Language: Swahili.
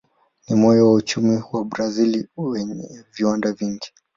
Ni moyo wa uchumi wa Brazil wenye viwanda vingi.